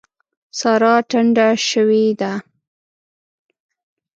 سارا ټنډه شوې ده.